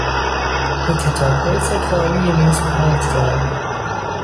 او کتابهای خود را روی میز پرت کرد.